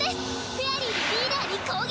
フェアリーでリーダーに攻撃！